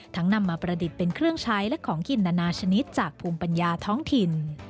นำมาประดิษฐ์เป็นเครื่องใช้และของกินนานาชนิดจากภูมิปัญญาท้องถิ่น